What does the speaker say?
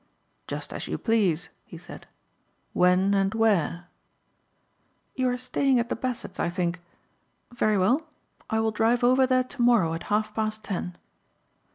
"Just as you please," he said. "When and where?" "You are staying at the Bassetts I think. Very well I will drive over there tomorrow at half past ten."